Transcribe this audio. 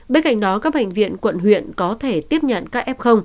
bên cạnh đó các bệnh viện quận huyện có thể tiếp nhận các f